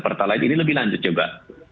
pertalite ini lebih lanjut juga